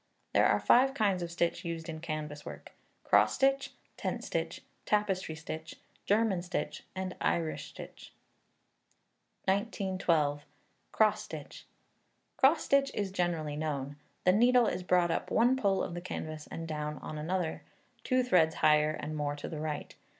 There are five kinds of stitch used in canvas work Cross Stitch, Tent Stitch, Tapestry Stitch, German Stitch, and Irish Stitch. 1912. Cross Stitch. Cross stitch is generally known. The needle is brought up in one pole of the canvas and down on another, two threads higher and more to the right.